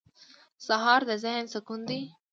سهار د ذهن سکون دی.